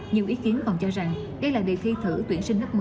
nhiều ý kiến còn cho rằng đây là đề thi thử tuyển sinh lớp một mươi